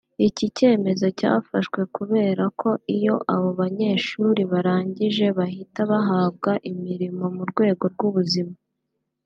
Iki cyemezo cyafashwe kubera ko iyo abo banyeshuri barangije bahita bahabwa imirimo mu rwego rw’ubuzima